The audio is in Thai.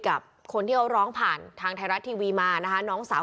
กับคนที่เขาร้องผ่านทางไทยรัฐทีวีมานะคะน้องสาว